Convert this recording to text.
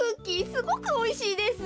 すごくおいしいです。